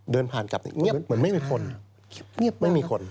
เดินผ่านกลับเนี่ยเหมือนไม่มีคน